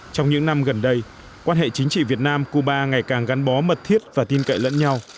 trong những năm gần đây quan hệ chính trị việt nam cuba ngày càng gắn bó mật thiết và tin cậy lẫn nhau